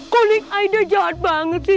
kok neng aida jahat banget sih